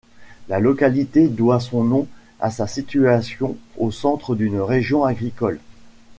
La localité doit son nom à sa situation au centre d'une région agricole.